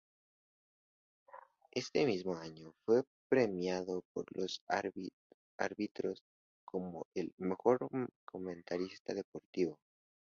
Este mismo año fue premiado por los árbitros como el "Mejor Comentarista Deportivo".